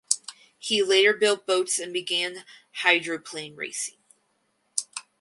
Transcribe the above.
He later built boats and began hydroplane racing.